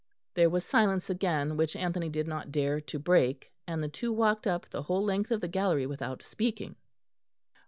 There was silence again, which Anthony did not dare to break; and the two walked up the whole length of the gallery without speaking.